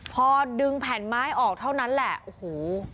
พอดึงแผ่นไม้ออกเท่านั้นแหละโอ้โห